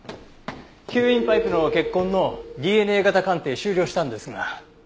吸引パイプの血痕のＤＮＡ型鑑定終了したんですが。